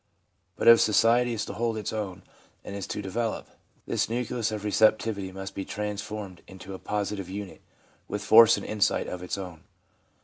But if society is to hold its own and is to develop, this nucleus of receptivity must be transformed into a positive unit, with force and insight of its own.